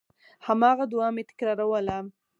هماغه دعا مې تکراروله.